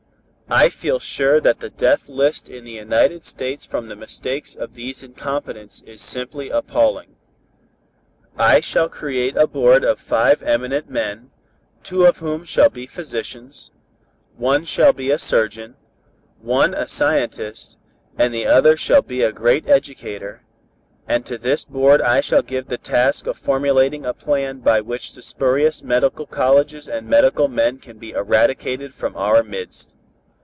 "I feel sure that the death list in the United States from the mistakes of these incompetents is simply appalling. "I shall create a board of five eminent men, two of whom shall be physicians, one shall be a surgeon, one a scientist and the other shall be a great educator, and to this board I shall give the task of formulating a plan by which the spurious medical colleges and medical men can be eradicated from our midst.